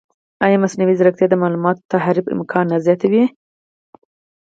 ایا مصنوعي ځیرکتیا د معلوماتو تحریف امکان نه زیاتوي؟